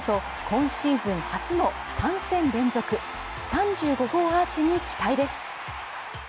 この後、今シーズン初の３戦連続３５号アーチに期待です